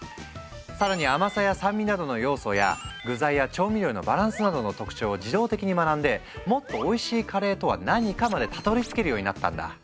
更に甘さや酸味などの要素や具材や調味料のバランスなどの特徴を自動的に学んでもっとおいしいカレーとは何かまでたどりつけるようになったんだ。